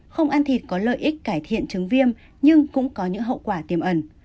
không ăn thịt có lợi ích cải thiện trứng viêm nhưng cũng có những hậu quả tiêm ẩn